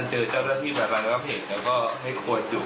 ตอนเจอเจ้าท่านที่มาร้านรับเห็นก็ให้โครจุ